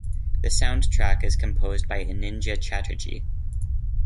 The soundtrack is composed by Anindya Chatterjee.